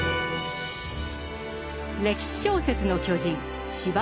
歴史小説の巨人司馬